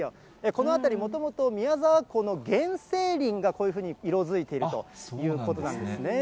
この辺り、もともと宮沢湖の原生林がこういうふうに色づいているということなんですね。